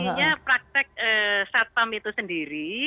artinya praktek satpam itu sendiri